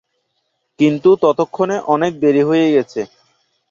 কিন্তু ততক্ষণে অনেক দেরি হয়ে গেছে।